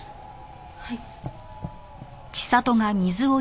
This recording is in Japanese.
はい。